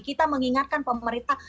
kita mengingatkan pemerintah